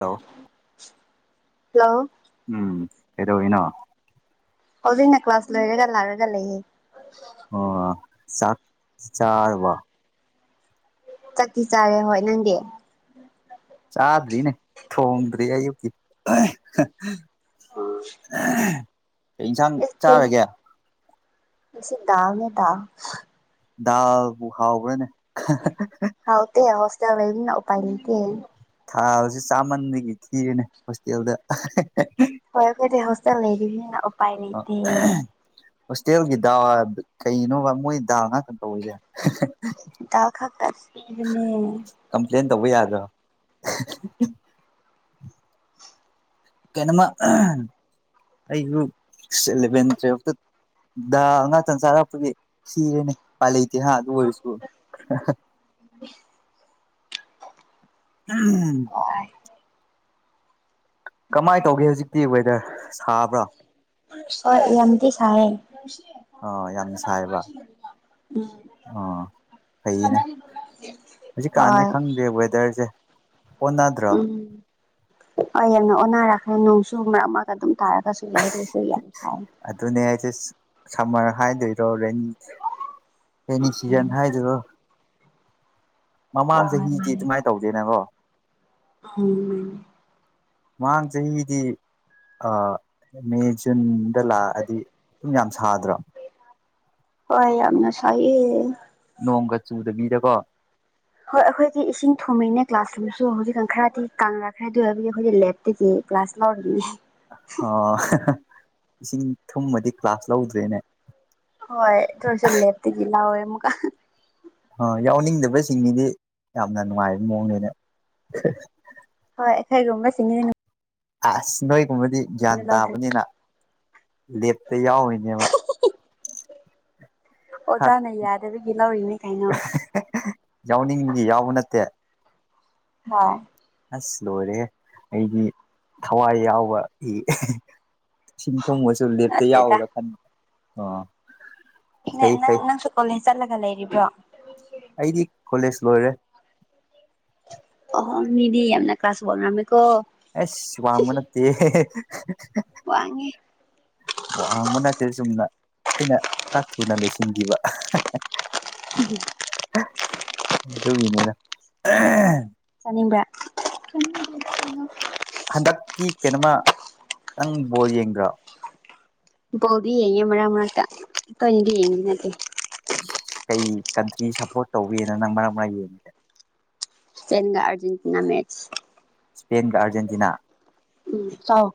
hello hello ꯎꯝ ꯀꯩꯗꯧꯅꯣ ꯑꯣꯕꯤ ꯏꯟꯅ ꯀ ꯀ꯭ꯂꯥꯁ ꯂꯔꯒ ꯂꯥꯒꯒ ꯂꯩꯁꯤ ꯆꯠ ꯆꯔ ꯋꯥ ꯆꯤ ꯆꯥꯔꯦ ꯍꯣꯏ ꯅꯪꯗꯤ ꯆꯥꯗ꯭ꯔꯤꯅꯦ ꯊꯣꯡꯗ꯭ꯔꯤ ꯑꯌꯨꯛꯀꯤ [inaudible] ꯀ ꯏꯟꯁꯥꯡ ꯆꯥꯔꯒꯦ ꯃꯁꯤꯗꯥꯥꯡꯉꯦ ꯇꯥ ꯜꯕꯨ ꯍꯥꯥꯎꯕꯔꯦꯅꯦ ꯍꯥꯎ ꯇ ꯍꯣꯁꯇꯦꯜꯕꯅ ꯎꯄꯥꯥꯏ ꯂꯩꯇ ꯊꯥꯁꯤ ꯆꯥꯃꯟꯗꯒꯤ ꯊꯤꯔꯦꯅꯦ ꯍꯣꯁꯇꯦꯜꯗ ꯍꯣꯏ ꯀꯣꯏꯗꯤ ꯍꯣꯁꯇꯦꯜ ꯂꯩꯔꯤ ꯎꯄꯥꯏ ꯂꯩꯇꯦ ꯍꯣꯁꯇꯦꯜꯒꯤ ꯗꯥ ꯀꯩꯅꯣꯕ ꯃꯣꯏ ꯗꯥ ꯉꯥꯛꯇꯪ ꯇꯧꯔꯤꯁꯦ ꯗꯥꯛ ꯀꯁꯤꯅꯦ ꯀꯝꯄ꯭ꯂꯦꯟ ꯇꯧꯕ ꯌꯥꯗ꯭ꯔꯣ ꯀꯩꯅꯣꯃ ꯑꯩꯁꯨ ꯑꯦꯂꯚꯦꯟ ꯇꯨꯋꯦꯜꯐꯇ ꯑ ꯉ ꯆꯟ ꯆꯔꯄꯒꯤ ꯈꯔꯅꯦ ꯄꯥꯂ ꯍꯥꯥ ꯇꯨ ꯑꯣꯏꯣꯏ ꯁ ꯎꯝ ꯍꯣꯏ ꯀꯃꯥꯏꯅ ꯇꯧꯒꯦ ꯍꯧꯖꯤꯛꯇꯤ ꯋꯦꯗꯔ ꯁꯥꯕ꯭ꯔꯥ ꯍꯣꯏ ꯑꯗꯤ ꯆꯑ ꯑꯥ ꯌꯥꯝ ꯁꯥꯏꯕ ꯎꯝ ꯑꯥ ꯐꯩꯅꯦ ꯍꯧꯖꯤꯛꯀꯥꯟꯁꯦ ꯍꯣꯏ ꯈꯪꯗꯦ ꯋꯦꯗꯔꯁꯦ ꯑꯣꯟꯅꯗ꯭ꯔꯣ ꯎꯝ ꯍꯣꯏ ꯌꯥꯝꯡꯉꯣ ꯑꯣꯟꯅꯔꯥ ꯅꯣꯡꯁꯨꯨ ꯃꯔꯛ ꯑꯃꯒ ꯑꯗꯨꯝ ꯇꯥꯔꯒꯁꯨ ꯂꯩ ꯑꯗꯨꯗꯣꯏ ꯁꯤꯁꯨ ꯌꯥꯏ ꯑꯗꯨꯅꯦ ꯑꯩꯁꯦ ꯁꯝꯃꯔ ꯍꯥꯏꯗꯣꯏꯔꯣ ꯔꯦꯟꯅꯤ ꯑꯦꯅꯤ ꯁꯤꯖꯟ ꯍꯥꯏꯗꯨꯔꯣ ꯃꯃꯥꯡ ꯍꯣꯏ ꯆꯍꯤꯗꯤ ꯑꯗꯨꯃꯥꯏꯅ ꯇꯧꯗꯦꯅꯕꯣ ꯍ ꯃꯅꯦ ꯃꯥꯡ ꯆꯍꯤꯗꯤ ꯃꯦ ꯖꯨꯟꯗ ꯂꯥꯛꯑꯗꯤ ꯁꯨꯝ ꯌꯥꯝ ꯁꯥꯗ꯭ꯔꯣ ꯍꯣꯏ ꯌꯥꯝꯅ ꯁꯌꯦ ꯅꯣꯡꯒ ꯆꯨꯗꯕꯤꯗꯀꯣ ꯍꯣꯏ ꯑꯩꯈꯣꯏꯗꯤ ꯏꯁꯤꯡ ꯊꯨꯝꯃꯤꯅꯦ ꯀ꯭ꯂꯥꯁꯔꯨꯝꯝꯗꯁꯨ ꯍꯧꯖꯤꯛꯀꯥꯟ ꯈꯔꯗꯤ ꯀꯪꯅꯛꯈ꯭ꯔꯦ ꯑꯗꯨ ꯑꯣꯏꯕꯗꯤ ꯑꯩꯈꯣꯏꯒꯤ ꯂꯦꯞꯇꯒꯤ ꯀ꯭ꯂꯥꯁ ꯂꯣꯗꯅꯤ ꯑꯥ ꯏꯁꯤꯡ ꯊꯨꯝꯃꯗꯤ ꯀ꯭ꯂꯥꯁ ꯂꯧꯗ꯭ꯔꯦꯅꯦ ꯍꯣꯏ ꯆꯠꯁꯤ ꯂꯦꯞꯇꯒꯤ ꯂꯑꯣꯣꯏꯦ ꯑꯃꯀ ꯑ ꯌꯥꯎꯅꯤꯡꯗꯕꯁꯤꯡꯅꯤꯗꯤ ꯌꯥꯝꯅ ꯅꯨꯡꯉꯥꯏꯕ ꯃꯑꯣꯡꯅꯦꯅꯦ ꯑꯩꯈꯩꯒꯣꯒꯕ ꯁꯤꯁꯤꯡꯅꯤ ꯑꯁ ꯅꯣꯏꯒꯨꯝꯕꯗꯤ ꯒ꯭ꯌꯥꯟ ꯇꯥꯕꯅꯤꯅ ꯂꯦꯞꯇ ꯌꯥꯎꯔꯤꯅꯦꯕ ꯑꯣꯖꯥꯅ ꯌꯥꯗꯕꯒꯤ ꯂꯧꯔꯤꯅꯤ ꯀꯩꯅꯣ ꯌꯥꯎꯅꯤꯡꯕꯗꯤ ꯌꯥꯎꯕ ꯅꯠꯇꯦ ꯍꯥꯥ ꯑꯁ ꯂꯣꯏꯔꯦ ꯑꯩꯒꯤ ꯊꯋꯥꯏ ꯌꯥꯎꯕ ꯁꯤꯁꯤꯡ ꯊꯣꯡꯕꯁꯨ ꯂꯦꯞꯇ ꯅꯠꯇꯦꯗ ꯌꯥꯎꯋꯦꯔ ꯈꯟꯕ ꯑꯣ ꯅꯪ ꯁꯩꯩ ꯅꯪꯁꯨ ꯀꯣꯂꯦꯖ ꯆꯠꯂꯒ ꯂꯩꯔꯤꯕ꯭ꯔꯣ ꯑꯩꯗꯤ ꯀꯣꯂꯦꯖ ꯂꯣꯏꯔꯦ ꯅꯤꯌꯦ ꯌꯥꯝꯅ ꯀ ꯀ꯭ꯂꯥꯁꯕꯔ ꯑꯦ ꯁ꯭ ꯋꯥꯃ ꯅꯠꯇ ꯋꯥꯉꯤ ꯋꯥꯍꯥꯡꯕ ꯅꯥꯠꯇꯦ ꯆꯨꯝꯅ ꯑꯩꯅ ꯈ ꯊꯨꯅ ꯂꯣꯏꯁꯤꯟꯈꯤꯕ ꯎꯝ ꯇꯒꯅꯤꯔ ꯅꯤꯡꯕ꯭ꯔ ꯍꯟꯗꯛꯀꯤ ꯀꯩꯅꯣꯝꯃ ꯅꯪꯕꯣ ꯌꯦꯡꯕ꯭ꯔꯣ ꯄꯣꯗꯤ ꯍꯥꯏ ꯃꯔ ꯃ ꯇ ꯊꯗꯤ ꯍꯥꯏꯗꯤ ꯀꯩ ꯀꯟꯇ꯭ꯔꯤ ꯁꯞꯄꯣꯔꯠ ꯇꯧꯒꯦꯅ ꯅꯪ ꯃꯔꯛ ꯃꯔ ꯌꯦꯡꯉꯤꯁꯦ ꯁꯄꯦꯟꯒꯥ ꯑꯔꯖꯦꯟꯇꯤꯅꯥ ꯃꯦꯆ ꯏꯁꯄꯦꯟꯒ ꯑꯥꯔꯖꯦꯟꯇꯤꯅꯥ ꯎꯝ ꯆꯥꯎ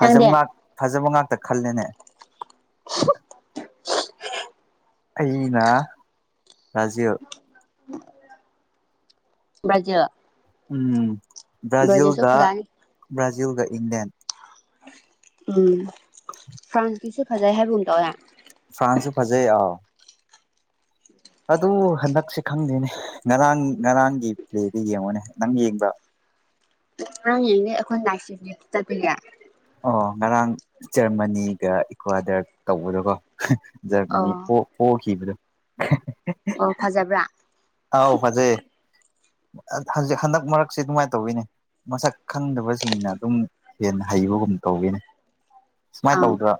ꯅꯪꯗꯤ ꯐꯖꯕꯉꯥꯛ ꯈꯜꯂꯅꯦ ꯑꯩꯅ ꯔꯥ꯭ ꯕ꯭ꯔꯖ ꯎꯝ ꯕ꯭ꯔꯥꯖꯤꯜꯒ ꯐꯖꯅꯤ ꯕ꯭ꯔꯥꯖꯤꯜꯒ ꯏꯪꯂꯦꯟ ꯎꯝ ꯐ꯭ꯔꯥꯟꯁꯀꯤꯁꯨ ꯐꯖꯩ ꯍꯥꯏꯕ ꯑꯃꯨꯝ ꯇꯧꯋꯦ ꯐ꯭ꯔꯥꯟꯁꯨ ꯐꯖꯩ ꯑꯥꯎ ꯑꯗꯨ ꯍꯟꯗꯛꯁꯦ ꯈꯪꯗꯦꯅꯦ ꯉꯔꯥꯡ ꯉꯔꯥꯡꯒꯤ ꯄ꯭ꯂꯦꯗꯤ ꯌꯦꯡꯉꯣꯅꯦ ꯅꯪ ꯌꯦꯡꯕ꯭ꯔ ꯉꯔꯥꯡ ꯌꯦꯡꯅꯦ ꯑꯩꯈꯣꯏꯅ ꯂꯥꯛꯁꯤꯕ ꯆꯠꯄꯤꯒꯦ ꯑꯣ ꯉꯔꯥꯡ ꯖꯔꯃꯅꯤꯒ ꯏꯀ꯭ꯋꯥꯗꯔ ꯇꯧꯕꯗꯣꯀꯣ ꯖꯔꯃꯅꯤ ꯑꯣ ꯄꯈꯤꯕꯗꯣ ꯑꯣ ꯐꯖꯕ꯭ꯔꯥ ꯑꯥꯎ ꯐꯖꯩꯖꯤꯛ ꯍꯟꯗꯛ ꯃꯔꯛꯁꯤ ꯑꯗꯨꯃꯥꯏꯅ ꯇꯧꯋꯤꯅꯦ ꯃꯁꯛ ꯈꯪꯗꯕꯁꯤꯡꯅ ꯑꯗꯨꯝ ꯍꯦꯟꯅ ꯍꯩꯕꯒꯨꯝ ꯇꯧꯕꯤꯅꯤ ꯁꯨꯃꯥꯏꯅ ꯑꯥ ꯇꯧꯗ꯭ꯔ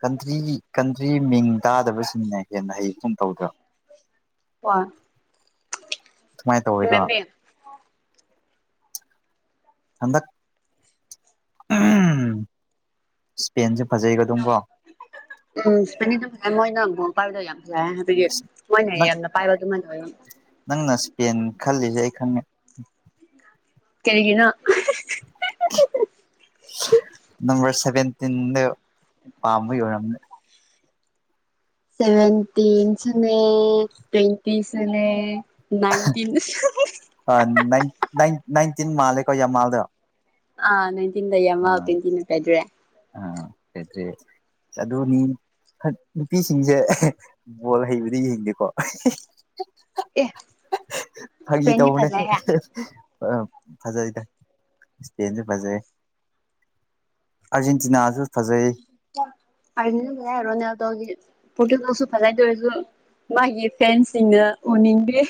ꯀꯟꯇ꯭ꯔꯤ ꯀꯟꯇ꯭ꯔꯤ ꯃꯤꯡ ꯇꯥꯗꯕꯁꯤꯡꯅ ꯍꯦꯟꯅ ꯍꯩꯁꯨꯝ ꯇꯧꯗ꯭ꯔ ꯋꯥ ꯁꯨꯃꯥꯏꯅ ꯇꯧꯋꯤꯀꯣ ꯑꯗ ꯁꯄ ꯎ ꯄ ꯃ ꯅ ꯄꯥꯎꯗ ꯌꯥꯝ ꯍꯥꯏꯕꯗꯤ ꯑꯁ ꯃꯣꯏꯅ ꯅꯪ ꯌꯥꯝꯅ ꯄꯥꯏꯕꯗꯨꯃꯅ ꯑꯣꯏ ꯈꯪ ꯀꯦꯔꯤꯒꯤꯅ ꯅ ꯄꯥꯝꯕ ꯌ ꯁꯚꯦꯟꯇꯅꯦ ꯇ꯭ꯋꯦꯟꯇꯅꯦ ꯅꯥꯟꯇꯤꯟ ꯏ ꯅꯥꯏꯟꯇꯤꯟ ꯃꯥꯜꯂꯦꯀꯣ ꯌꯥꯝꯥ ꯃꯥꯜꯗ ꯑꯥ ꯅꯥꯏꯟꯇꯤꯟꯗꯃ ꯇ꯭ꯋꯇꯤꯟ ꯀꯥꯏꯗ꯭ꯔꯦ ꯀꯗꯔꯤ ꯑꯗꯨꯅꯤ ꯅꯨꯄꯤꯁꯤꯡꯁꯦ ꯕꯣꯜ ꯍꯩꯕꯗꯤ ꯌꯦꯡꯗꯦꯀꯣ ꯑꯦ ꯐꯥꯒꯤ ꯏꯁꯄꯦꯟꯗꯤ ꯇꯧꯕꯅꯦ ꯐꯖꯩꯍꯦ ꯐꯖꯩꯗ ꯏꯁꯄꯦꯟꯁꯨ ꯐꯖꯩ ꯑꯔꯖꯦꯟꯇꯤꯅꯥꯁꯨ ꯔꯣꯅꯥꯜꯎꯗꯣꯒꯤ ꯄꯣꯇꯣꯗꯁꯨ ꯐꯖꯅ ꯇ ꯑꯣꯏꯔꯁꯨ ꯃꯥꯒꯤ ꯐꯦꯟꯁꯤꯡꯅ ꯎꯅꯤꯡꯗ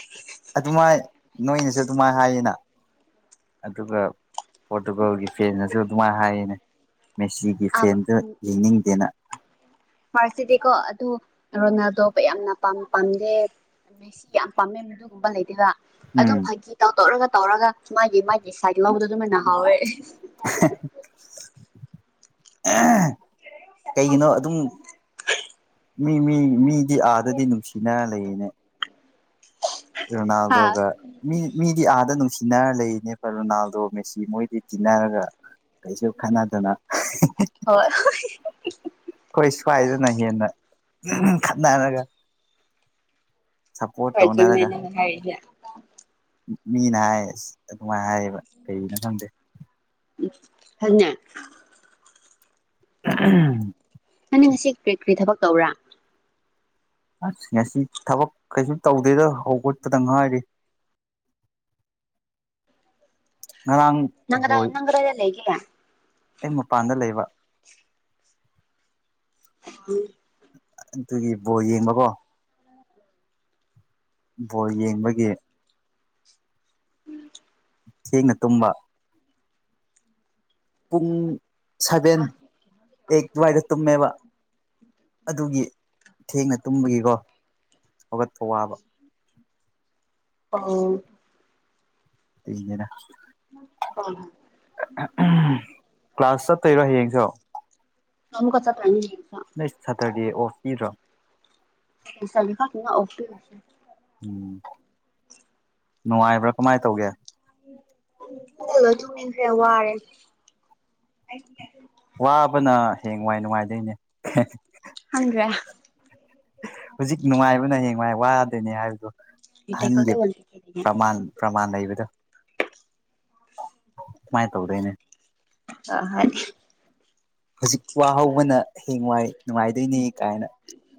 ꯑꯗꯨꯃꯥꯏꯅ ꯅꯣꯏꯅꯁꯨ ꯑꯗꯨꯃꯥꯏꯅ ꯍꯥꯏꯌꯦꯅ ꯑꯗꯨꯒ ꯄꯣꯔꯇꯨꯒꯜꯒꯤ ꯐꯦꯟꯅꯁꯨ ꯑꯗꯨꯃꯥꯏꯅ ꯍꯥꯏꯌꯦꯅꯦ ꯃꯦꯁꯤꯒꯤ ꯐꯦꯟꯗ ꯌꯦꯡꯅꯤꯡꯗꯦꯅ ꯃꯁꯗꯦꯀꯣ ꯑꯗꯨ ꯑꯗꯨ ꯔꯣꯅꯥꯗꯣꯕꯨ ꯌꯥꯝꯅꯝ ꯄꯥꯝꯗꯦ ꯃꯁꯤ ꯌꯥꯝ ꯄꯥꯝꯃꯦ ꯃꯗꯨꯒꯨꯝꯕ ꯂꯩꯗꯦꯕ ꯑꯗꯨꯝ ꯎꯝ ꯐꯥꯒꯤ ꯇꯥꯎ ꯇꯧꯔꯒ ꯇꯧꯔꯒ ꯁ ꯃꯥꯒꯤ ꯃꯥꯒꯤ ꯁꯥꯏꯠ ꯂꯧꯕꯗꯣ ꯑꯗꯨꯃꯥꯏꯅ ꯍꯥꯎꯋꯦ ꯀꯩꯒꯤꯅꯣ ꯑꯗꯨꯝ ꯃꯤ ꯃꯤ ꯃꯤ ꯗꯤ ꯑꯥꯗꯗꯤ ꯅꯨꯡꯁꯤꯅ ꯂꯩꯌꯦꯅꯦ ꯍꯥ ꯔꯅꯥꯥꯜꯗꯣꯒ ꯃꯤ ꯒꯤ ꯑꯥꯗ ꯅꯨꯡꯁꯤꯅꯔ ꯂꯩꯔꯤꯅꯦꯕ ꯔꯣꯅꯥꯜꯗꯣ ꯃꯦꯁꯤ ꯃꯣꯏꯗꯤ ꯇꯤꯟꯅꯔꯒ ꯀꯩꯁꯨ ꯈꯅꯗꯅ ꯍꯣꯏ ꯍꯣꯏ ꯁ꯭ꯋꯥꯏꯗꯅ ꯍꯦꯟꯅ ꯈꯅꯥꯅꯒ ꯁꯞꯄꯣꯔꯠ ꯍꯣꯏ ꯆꯨꯝꯃꯦ ꯇꯧꯅꯔꯒꯥ ꯅꯪꯅ ꯍꯥꯏꯔꯤꯁꯦ ꯃꯤꯅ ꯍꯥꯏꯌꯦ ꯑꯥꯁ ꯑꯗꯨꯃꯥꯏꯅ ꯍꯥꯏꯌꯦꯕ ꯀꯒꯤꯅ ꯈꯪꯗꯦ ꯑꯗꯨꯅ ꯎꯝ ꯅꯪꯅꯤ ꯉꯁꯤ ꯀꯔꯤ ꯀꯔꯤ ꯊꯕꯛ ꯇꯧꯔꯥ ꯑꯥꯁ ꯉꯁꯤ ꯊꯕꯛ ꯀꯩꯁꯨ ꯇꯧꯗꯦꯗ ꯍꯧꯒꯠꯄꯗ ꯉꯥꯏꯔꯤ [inaudible] ꯉꯔꯥꯡ ꯅꯪ ꯕꯣꯜ ꯅꯪ꯭ꯔꯂꯦꯒꯌꯥ ꯑꯩ ꯃꯄꯥꯟꯗ ꯂꯩꯕ ꯎꯝ ꯑꯥꯗꯨꯒꯤ ꯕꯣ ꯌꯦꯡꯕꯀꯣ ꯕꯣꯜ ꯌꯦꯡꯕꯒꯤ ꯊꯦꯡꯅ ꯇꯨꯝꯕ ꯄꯨꯡ ꯁꯚꯦꯟ ꯑꯩ ꯑꯗꯨꯋꯥꯏꯗ ꯇꯨꯝꯃꯦꯕ ꯑꯥꯗꯨꯒꯤ ꯊꯦꯡꯅ ꯇꯨꯝꯕꯒꯤꯀꯣ ꯍꯧꯒꯠꯄ ꯋꯥꯕ ꯑꯥꯎ ꯅꯤꯗꯥ ꯑꯥ ꯀ꯭ꯂꯥꯁ ꯆꯠꯇꯣꯏꯔꯣ ꯍꯌꯦꯡꯁ ꯑꯃꯃꯨ ꯀꯆꯥ ꯄꯅꯤ ꯅꯪ ꯁꯇꯔꯗꯦ ꯑꯣꯐ ꯄꯤꯕ꯭ꯔꯣ ꯄꯁꯥ ꯂꯤ ꯑꯣꯦ ꯎꯝ ꯅꯨꯡꯉꯥꯏꯕ꯭ꯔꯥ ꯀꯃꯥꯏꯅ ꯇꯧꯒꯦ ꯍꯂꯣ ꯊꯃꯤ ꯋꯥꯔꯦ ꯋꯥꯕꯅ ꯍꯌꯦꯡ ꯋꯥꯏ ꯅꯨꯡꯉꯥꯏꯗꯣꯏꯅꯦ ꯍꯗꯦ ꯅꯨꯡꯉꯥꯏ ꯋꯥꯗꯣꯏꯅꯦ ꯍꯥꯏꯕꯗ ꯍꯣꯏ ꯑꯍꯟꯒꯤ ꯄ꯭ꯔꯃꯥꯟ ꯄ꯭ꯔꯃꯥꯟ ꯂꯩꯕꯗꯣ ꯀꯃꯥꯏꯅ ꯇꯧꯗꯣꯏꯅꯦ ꯑ ꯍꯥꯏ ꯍꯧꯖꯤꯛ ꯋꯥ ꯍꯧꯕꯅ ꯍꯦꯡ ꯋꯥꯏ ꯅꯨꯡꯉꯥꯏꯗꯣꯏꯅꯦ ꯀꯥꯏꯅ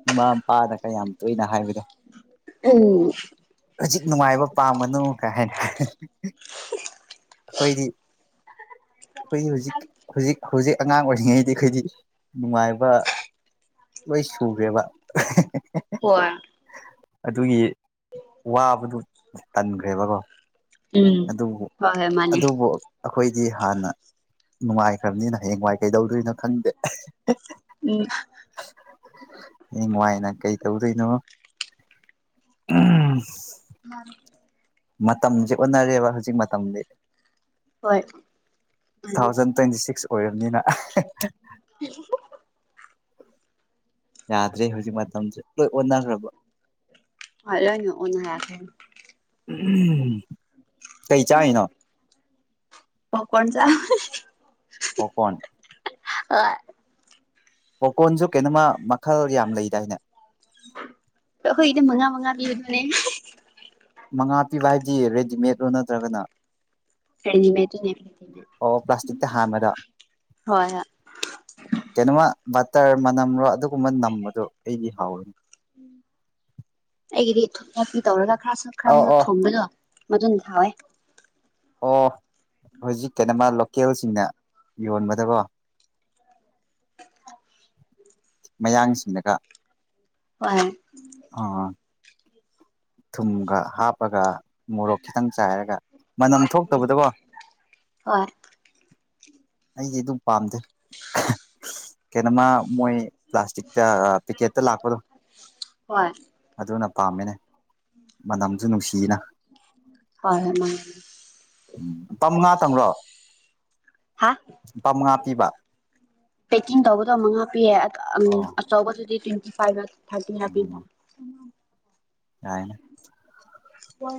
ꯏꯃꯥ ꯃꯄꯥꯗ ꯀꯌꯥꯝ ꯇꯣꯏꯅ ꯍꯥꯏꯕꯗꯣ ꯎꯝ ꯍꯧꯖꯤꯛ ꯅꯨꯡꯉꯥꯏꯕ ꯄꯥꯝꯕꯅꯣ ꯀꯥꯏꯅ ꯑꯩꯈꯣꯏꯗꯤ ꯑꯩꯈꯣꯏꯒꯤ ꯍꯧꯖꯤꯛ ꯍꯧꯖꯤꯛ ꯍꯧꯖꯤꯛ ꯑꯉꯥꯡ ꯑꯣꯏꯔꯤꯉꯩꯗꯤ ꯑꯩꯈꯣꯏꯗꯤ ꯅꯨꯡꯉꯥꯏꯕ ꯂꯣꯏ ꯁꯨꯈꯦꯕ ꯍꯣꯏ ꯑꯗꯨꯒꯤ ꯋꯥꯕꯗꯨ ꯇꯟꯈ꯭ꯔꯦꯕꯀꯣ ꯎꯝ ꯑꯗꯨꯕꯨ ꯍꯣꯏ ꯍꯣꯏ ꯃꯥꯅꯦ ꯑꯗꯨꯕꯨ ꯑꯩꯈꯣꯏꯗꯤ ꯍꯥꯟꯅ ꯅꯨꯡꯉꯥꯏꯈ꯭ꯔꯕꯅꯤꯅ ꯍꯌꯦꯡꯋꯥꯏ ꯀꯩꯗꯧꯗꯣꯏꯅꯣ ꯈꯪꯗꯦ ꯎꯝ ꯍꯉꯥꯏꯅ ꯀꯩ ꯇꯧꯗꯣꯏꯅꯣ [inaudible] ꯃꯇꯝꯁꯦ ꯑꯣꯟꯅꯔꯦꯕ ꯍꯧꯖꯤꯛ ꯃꯇꯝꯗꯤ ꯍꯣꯏ ꯇꯨ ꯃꯥꯅꯤ ꯊꯥꯎꯖꯟ ꯇ꯭ꯋꯦꯟꯇꯤ ꯁꯤꯛꯁ ꯑꯣꯏꯔꯕꯅꯤꯅ ꯌꯥꯗ꯭ꯔꯦ ꯍꯧꯖꯤꯛ ꯃꯇꯝꯁꯦ ꯂꯣꯏ ꯑꯣꯟꯅꯈ꯭ꯔꯕ ꯍꯔꯣꯏꯅꯑꯣꯅ ꯀꯩ ꯆꯥꯅꯣ ꯄꯀꯣꯟ ꯆ ꯄꯀꯣꯟ ꯑ ꯄꯣꯀꯣꯟꯁꯨ ꯀꯩꯅꯣꯃ ꯃꯈꯜ ꯌꯥꯝ ꯂꯩꯗꯥꯏꯅꯦ ꯍꯣꯏ ꯏꯅꯦ ꯃꯉꯥ ꯃꯉꯥꯕꯤ ꯑꯗꯨꯅꯦ ꯃꯉꯥ ꯄꯤꯕ ꯍꯥꯏꯕꯗꯤ ꯔꯦꯗꯤꯃꯦꯠꯂꯣ ꯅꯠꯇ꯭ꯔꯒꯅ ꯑꯣ ꯄ꯭ꯂꯥꯁꯇꯤꯛꯇ ꯍꯥꯟꯕꯗ ꯍꯣꯏ ꯀꯩꯅꯣꯃ ꯕꯇꯔ ꯃꯅꯝꯔꯣ ꯑꯗꯨꯒꯨꯝꯕ ꯅꯝꯕꯗꯣ ꯑꯩꯗꯤ ꯍꯥꯎꯋꯦꯅꯦ ꯑꯩꯒꯤꯗꯤ ꯊꯄꯤ ꯇꯧꯔꯒ ꯈꯔ ꯁ ꯑꯧ ꯈꯔꯁꯨ ꯑꯧ ꯊꯣꯡꯕꯗꯣ ꯃꯗꯨꯟ ꯊꯑꯣꯦ ꯑꯣ ꯍꯧꯖꯤꯛ ꯀꯩꯅꯣꯃ ꯂꯣꯀꯦꯜꯁꯤꯡꯅ ꯌꯣꯟꯕꯗꯀꯣ ꯃꯌꯥꯡꯁꯤꯡꯅꯒ [unintelligible] ꯑ‌ꯣ ꯊꯨꯝꯒ ꯍꯥꯞꯄꯒ ꯃꯣꯔꯣꯛ ꯈꯤꯇꯪ ꯆꯥꯏꯔꯒ ꯃꯅꯝ ꯊꯣꯛꯇꯕꯗꯀꯣ ꯍꯣꯏ ꯑꯩꯗꯤ ꯑꯗꯨꯝ ꯄꯥꯝꯗꯦ ꯀꯩꯅꯣ ꯃꯥ ꯃꯣꯏ ꯄ꯭ꯂꯥꯁꯇꯤꯛꯇ ꯄꯤꯀꯦꯠꯇ ꯂꯥꯛꯄꯗꯣ ꯍꯣꯏ ꯑꯗꯨꯅ ꯄꯥꯝꯕꯅꯦ ꯃꯅꯝꯁꯨ ꯅꯨꯡꯁꯤꯌꯦꯅ ꯍꯣꯏꯣꯏ ꯃꯥ ꯇ‌ꯪꯂ‌ꯣ ꯂꯨꯄꯥ ꯃꯉꯥ ꯄꯤꯕ ꯄꯦꯛꯀꯤꯡ ꯇꯧꯕꯗꯣ ꯃꯉꯥ ꯄꯤꯌꯦꯦ ꯑꯣ ꯑꯆꯧꯕꯗꯨꯗꯤ ꯇ꯭ꯋꯦꯟꯇꯤ ꯐꯥꯏꯚ ꯊꯥꯀꯤꯌꯥ ꯄꯤ ꯌꯥꯅ ꯋꯥ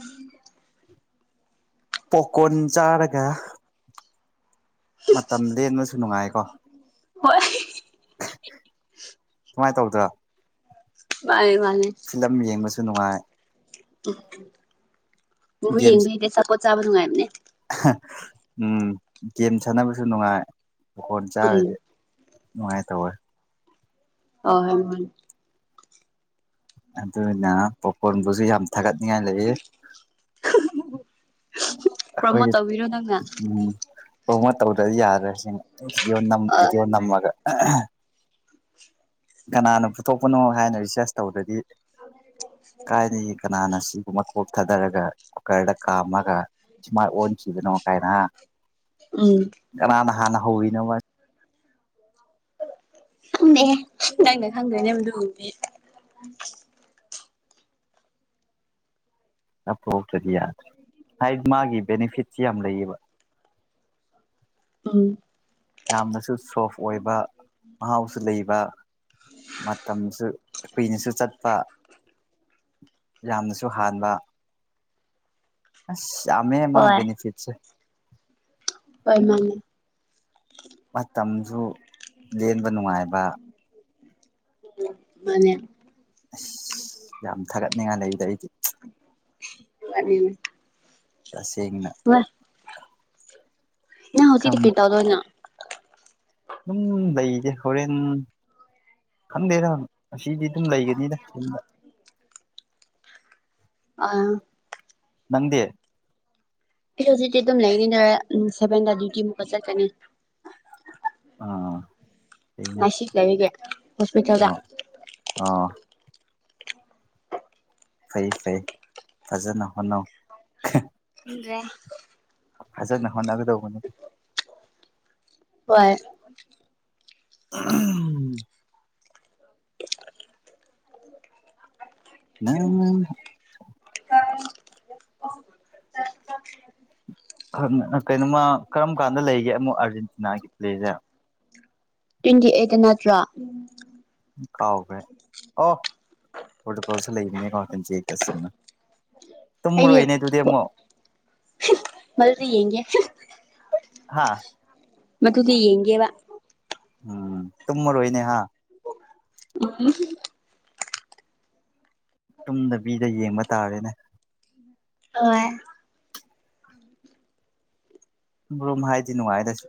ꯄꯣꯀꯣꯔꯟ ꯆꯥꯔꯒꯥ ꯃꯇꯝ ꯂꯦꯟꯕꯁꯨ ꯅꯨꯡꯉꯥꯏꯀꯣ ꯍꯣꯏ ꯁꯨꯃꯥꯏꯅ ꯇꯧꯗ꯭ꯔ‌ꯣ ꯃꯥꯅꯦ ꯃꯥꯅꯦ ꯌꯦꯡꯕꯁꯨ ꯅꯨꯡꯉꯥꯏ ꯇꯎ ꯎꯕꯨ ꯒꯦꯝ ꯌꯦꯡꯕ ꯍꯛꯇꯦ ꯆꯥꯛꯄꯣꯠ ꯆꯥꯕ ꯅꯨꯡꯉꯥꯏꯕꯅꯦ ꯎꯝ ꯒꯦꯝ ꯁꯥꯟꯅꯕꯁꯨ ꯅꯨꯡꯉꯥꯏ ꯍꯀꯣꯟ ꯎꯝ ꯆꯥꯔꯗꯤ ꯅꯨꯡꯥꯏ ꯇꯧꯋ‌ꯦ [unintelligible] ꯑꯗꯨꯅꯥ ꯄꯣꯀꯣꯟꯣꯟꯕꯨꯁꯨ ꯌꯥꯝ ꯊꯥꯒꯠꯅꯤꯡꯉꯥꯏ ꯂꯩꯌ‌ꯦ ꯑꯈꯣꯏ ꯄ꯭ꯔꯣꯃꯣꯠ ꯇꯧꯕꯤꯔꯣ ꯅꯪꯅ ꯎꯝ [unintelligible] ꯇꯧꯗ꯭ꯔ ꯌꯥꯗ꯭ꯔꯁꯤꯡ ꯚꯗꯤꯑꯣ ꯚꯤꯗꯤꯑꯣ ꯍꯣꯏ ꯃꯥꯅꯦ ꯅꯝꯃꯒꯥ ꯀꯅꯥꯅꯣ ꯄꯨꯊꯣꯛꯄꯅꯣ ꯍꯥꯏꯅ ꯔꯤꯁꯥꯔꯁ ꯇꯧꯕꯗꯗꯤ ꯀꯥꯏꯅ ꯀꯅꯥꯅ ꯁꯤꯒꯨꯝꯕ ꯀꯣꯞꯊꯗꯔꯒꯥ ꯀꯨꯀꯔꯗꯥ ꯀꯥꯝꯃꯒ ꯁꯨꯃꯥꯏ ꯑꯣꯟꯈꯤꯕꯅꯣ ꯀꯥꯏꯅ ꯎꯝ ꯀꯅꯥꯅ ꯍꯥꯟꯅ ꯍꯧꯋꯤꯅꯣ ꯅꯦ ꯅꯪꯅꯥ ꯈꯪꯗꯅꯦꯗꯗꯤ ꯑꯐꯥꯎꯇꯗꯤ ꯌꯥꯗ꯭ꯔꯦ ꯍꯥꯏꯗꯤ ꯃꯥꯒꯤ ꯕꯦꯅꯤꯐꯤꯠꯁꯤ ꯌꯥꯝ ꯂꯩꯌꯦꯕꯥ [inaudible] ꯑꯥ ꯌꯥꯝꯅꯁꯨ ꯁꯣꯐ ꯑꯣꯏꯕ ꯃꯍꯥꯎꯁꯨ ꯂꯩꯕ ꯃꯇꯝꯁꯨ ꯀꯨꯏꯅꯁꯨ ꯆꯠꯄꯥ ꯌꯥꯝꯅꯁꯨ ꯍꯥꯟꯕꯥ ꯑꯥ ꯌꯥꯃꯦ ꯍꯣꯏ ꯃꯥꯏꯕꯦꯅꯤꯐꯤꯠꯁꯦ ꯑꯣꯏ ꯃꯥꯥꯟꯅꯦ ꯁꯨ ꯂꯦꯟꯕ ꯅꯨꯡꯉꯥꯏꯕ ꯃꯥꯅꯦ ꯑꯁ ꯌꯥꯝ ꯊꯥꯒꯠꯅꯤꯡꯉꯥꯏ ꯂꯩꯕꯗ ꯑꯩꯗꯤ ꯐꯅꯤꯅꯦ ꯇꯁꯦꯡꯅ ꯅ ꯍꯇꯤꯔ ꯀꯦ ꯇꯗꯣꯅ ꯎꯝ ꯂꯩꯗꯦ ꯍꯣꯔꯦꯟ ꯈꯟꯗꯦꯔ ꯑꯁꯤꯗꯤ ꯑꯗꯨꯝ ꯂꯩꯒꯅꯤꯗ ꯌꯨꯝꯗ ꯑꯥ ꯅꯪꯗꯦ ꯁꯤ ꯍꯧꯖꯤꯛꯇꯤ ꯑꯗꯨꯝ ꯂꯩꯅꯤꯗ ꯁꯦꯚꯦꯟꯗ ꯗ꯭ꯌꯨꯇꯤꯃꯨꯛꯀ ꯆꯠꯀꯅꯤ ꯑꯥ ꯐꯩꯅꯦ ꯉꯁꯤꯛꯂꯕꯤꯒ ꯍꯣꯁꯄꯤꯇꯥꯜꯗ ꯑꯣ ꯑꯣ ꯐꯩ ꯐꯩ ꯐꯖꯅ ꯍꯣꯠꯅꯧ ꯈꯪꯗ꯭ꯔꯦ ꯐꯖꯅ ꯍꯣꯠꯅꯒꯗꯧꯕꯅꯤ ꯍꯣꯏ ꯎ ꯑ ꯑꯣ ꯀꯩꯅꯣꯃ ꯀꯔꯝ ꯀꯥꯟꯗ ꯂꯩꯒꯦ ꯑꯃꯨꯛ ꯑꯥꯔꯖꯦꯟꯇꯤꯅꯥꯒꯤ ꯄ꯭ꯂꯦꯁꯦ ꯇ꯭ꯋꯦꯟꯇꯤ ꯑꯩꯠꯇ ꯅꯠꯇ꯭ꯔꯣ ꯀꯥꯎꯕꯦ ꯑꯣ ꯐꯀꯣꯁ ꯂꯩꯅꯤ ꯀꯝ ꯆꯦ ꯇꯁꯃ ꯑ ꯃꯜꯁꯤ ꯌꯦꯡꯒꯦ ꯍꯥꯥ ꯃꯗꯨꯗꯤ ꯌꯦꯡꯒꯦꯕ ꯎꯝ ꯇꯔ ꯑꯣꯏꯣꯏꯅꯦ ꯍꯥ ꯎꯝ ꯇꯨꯝꯗꯕꯤꯗ ꯌꯦꯡꯕ ꯇꯥꯔꯦꯅꯦ ꯍꯣꯏ ꯔꯣꯨꯝ ꯍꯥꯏꯗꯤ ꯅꯨꯡꯉꯥꯏꯔꯁꯤ